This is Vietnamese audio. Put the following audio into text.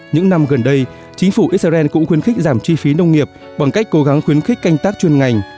những năm gần đây chính phủ israel cũng khuyến khích giảm chi phí nông nghiệp bằng cách cố gắng khuyến khích canh tác chuyên ngành